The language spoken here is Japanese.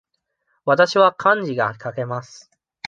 わたしは漢字が書けます。